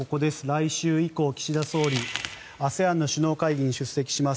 来週以降、岸田総理ＡＳＥＡＮの首脳会議に出席します。